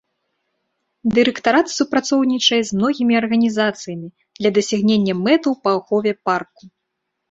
Дырэктарат супрацоўнічае з многімі арганізацыямі для дасягнення мэтаў па ахове парку.